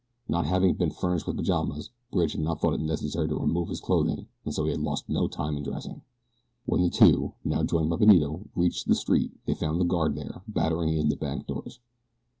Not having been furnished with pajamas Bridge had not thought it necessary to remove his clothing, and so he had lost no time in dressing. When the two, now joined by Benito, reached the street they found the guard there, battering in the bank doors.